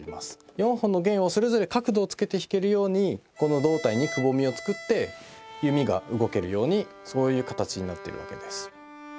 ４本の弦をそれぞれ角度をつけて弾けるようにこの胴体にくぼみを作って弓が動けるようにそういう形になっているわけです。